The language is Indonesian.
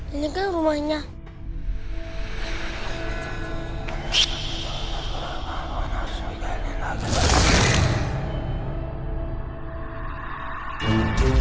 ini kan rumahnya